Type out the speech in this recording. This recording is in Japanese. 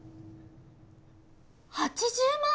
８０万！？